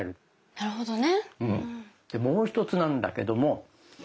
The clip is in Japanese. なるほどね。